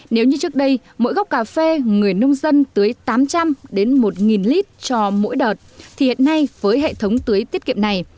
nếu như trước đây mỗi gốc cà phê người nông dân tưới tám trăm linh đến một lít cho mỗi đợt thì hiện nay với hệ thống tưới tiết kiệm này